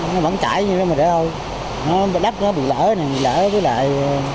nó vẫn chảy nhưng mà đỡ hôi nó đắp nó bị lỡ này bị lỡ với lại